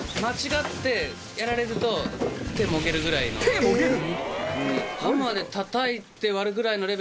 手もげる！？